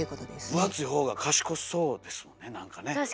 分厚いほうが賢そうですもんねなんかね。